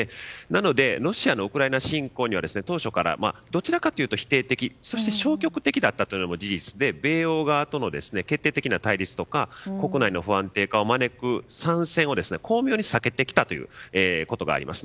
なのでロシアのウクライナ侵攻には当初からどちらかというと否定的そして消極的だったのも事実で米欧側との決定的な対立とか国内の不安定化を招く参戦を巧妙に避けてきたということがあります。